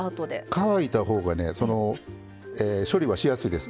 乾いたほうが処理はしやすいです。